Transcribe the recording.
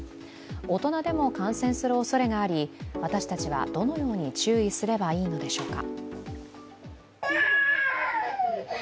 大人でも感染するおそれがあり私たちはどのように注意すればいいのでしょうか。